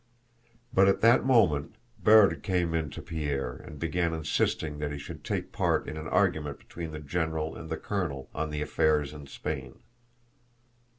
But at that moment Berg came to Pierre and began insisting that he should take part in an argument between the general and the colonel on the affairs in Spain.